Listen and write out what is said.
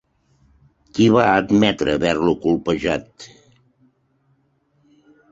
Qui va admetre haver-lo colpejat?